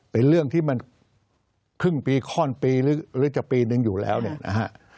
เป็นเรื่องที่มันครึ่งปีข้อนปีหรือจะปีนึงอยู่แล้วเนี่ยนะฮะ